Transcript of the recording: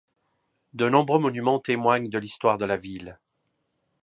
De nombreux monuments témoignent de l'histoire de la ville.